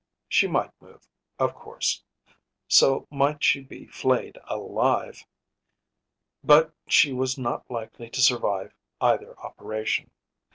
She might move, of course; so might she be flayed alive; but she was not likely to survive either operation.